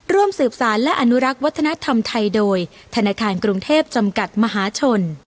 ร่วมสืบสารและอนุรักษ์วัฒนธรรมไทยโดยธนาคารกรุงเทพจำกัดมหาชน